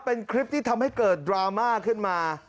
เป็นคลิปที่ทำให้เกิดดราม่าขึ้นมา